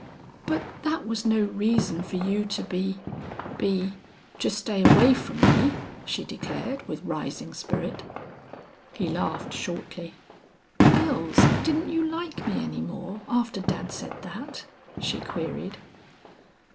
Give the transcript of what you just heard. "But that was no reason for you to be be to stay away from me," she declared, with rising spirit. He laughed shortly. "Wils, didn't you like me any more after dad said that?" she queried.